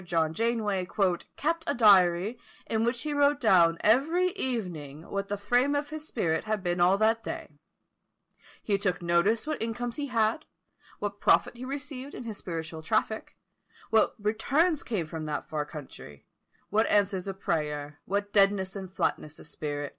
John Janeway "kept a diary, in which he wrote down every evening what the frame of his spirit had been all that day; he took notice what incomes he had, what profit he received in his spiritual traffic: what returns came from that far country; what answers of prayer, what deadness and flatness of spirit," &c.